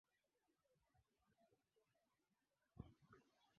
tayari rais wa ufaransa nicholas sarkozy